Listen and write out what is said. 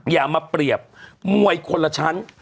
อย่ามาเปรียบมวยคนละชั้น